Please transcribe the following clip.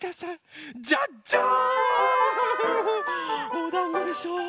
おだんごでしょ。